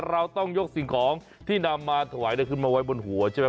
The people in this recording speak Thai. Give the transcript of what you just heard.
เราต้องยกสิ่งของที่นำมาถวายขึ้นมาไว้บนหัวใช่ไหม